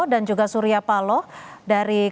dan juga surya paloh dari kepala